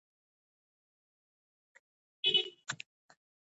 غابي پوه شو چې ملګری یې روژه نیولې ده.